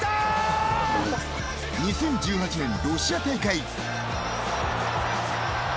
２０１８年ロシア大会。